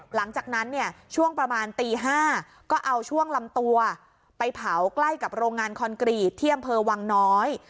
หลังจากนั้นเนี่ยช่วงประมาณตี๕ก็เอาช่วงลำตัวไปเผาใกล้กับโรงงานคอนกรีตที่อำเภอวังน้อย